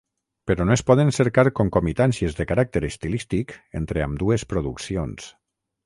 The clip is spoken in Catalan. Però no es poden cercar concomitàncies de caràcter estilístic entre ambdues produccions.